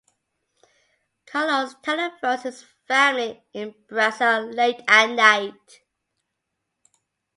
Carlos telephones his family in Brazil late at night.